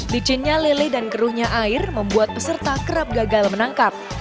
licinnya lele dan keruhnya air membuat peserta kerap gagal menangkap